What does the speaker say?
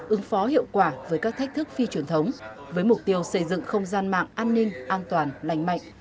ứng phó hiệu quả với các thách thức phi truyền thống với mục tiêu xây dựng không gian mạng an ninh an toàn lành mạnh